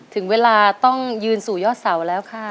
ถึงเวลาต้องยืนสู่ยอดเสาแล้วค่ะ